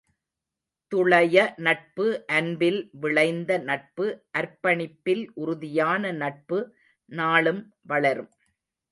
துளயநட்பு அன்பில் விளைந்த நட்பு அர்ப்பணிப்பில் உறுதியான நட்பு நாளும் வளரும்.